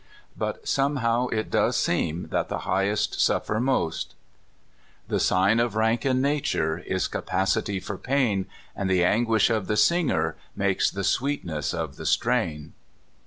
But somehow it does seem that the highest suffer most: The sign of rank in Nature Is capacity for pain, And the anguish of the singer Makes the sweetness of the strain.